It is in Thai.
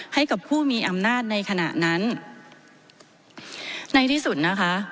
ให้กับผู้มีอำนาจในขณะนั้นในที่สุดนะคะ